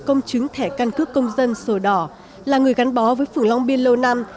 công chứng thẻ căn cước công dân sổ đỏ là người gắn bó với phưởng long biên lâu năm